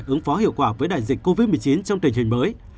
ứng phó hiệu quả với đại dịch covid một mươi chín trong tình hình mới